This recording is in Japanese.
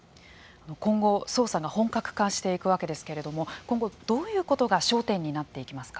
今後、捜査が本格化していくわけですけれども今後、どういうことが焦点になっていきますか。